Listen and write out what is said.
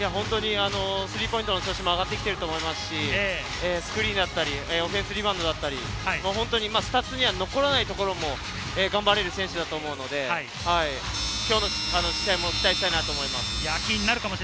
スリーポイントの調子も上がってきていますし、スクリーンやオフェンスリバウンドや、スタッツには残らないところも頑張れる選手だと思うので、今日の試合も期待したいと思います。